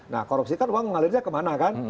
nah korupsi kan uang mengalirnya kemana kan